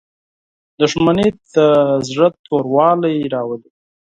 • دښمني د زړه توروالی راولي.